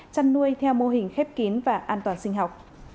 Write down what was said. chăn nuôi theo mô hình khép kín và an toàn sinh học